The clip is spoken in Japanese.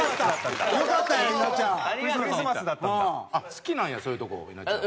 好きなんやそういうとこ稲ちゃん。